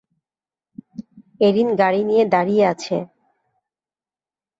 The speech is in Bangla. এরিন গাড়ি নিয়ে দাঁড়িয়ে আছে।